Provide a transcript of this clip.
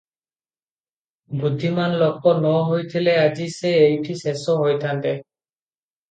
ବୁଦ୍ଧିମାନ୍ ଲୋକ ନହୋଇଥିଲେ ଆଜି ସେ ଏଇଠି ଶେଷ ହୋଇଥାନ୍ତେ ।